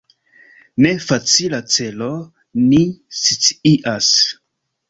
Ne facila celo, ni scias.